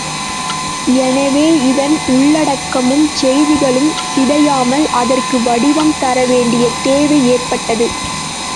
எனவே இதன் உள்ளடக்கமும் செய்திகளும் சிதையாமல் அதற்கு வடிவம் தரவேண்டிய தேவை ஏற்பட்டது.